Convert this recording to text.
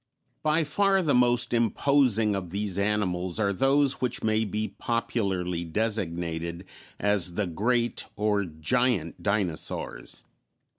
_ By far the most imposing of these animals are those which may be popularly designated as the great or giant dinosaurs.